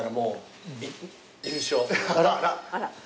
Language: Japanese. あら。